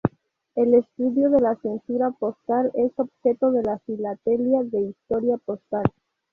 El estudio de la censura postal es objeto de la filatelia de historia postal.